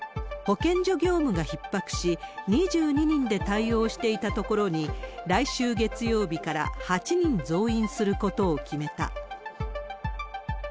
保健所業務がひっ迫し、２２人で対応していたところに、来週月曜日から８人増員することを決めた。